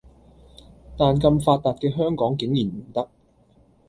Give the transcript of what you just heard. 但咁發達嘅香港竟然唔得